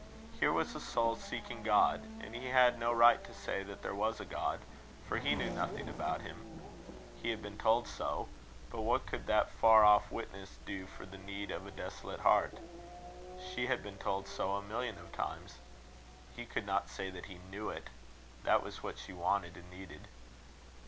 Here was a soul seeking God, and he had no right to say that there was a God, for he knew nothing about him. He had been told so; but what could that far off witness do for the need of a desolate heart? She had been told so a million of times. He could not say that he knew it. That was what she wanted and needed.